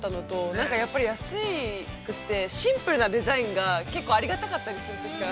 なんかやっぱり安くて、シンプルなデザインが、結構ありがたかったりするので。